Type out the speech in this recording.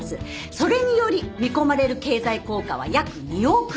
それにより見込まれる経済効果は約２億円。